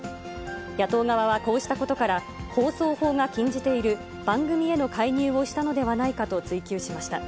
野党側はこうしたことから、放送法が禁じている番組への介入をしたのではないかと追及しました。